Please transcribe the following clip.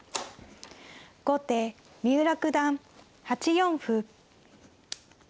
後手三浦九段８四歩。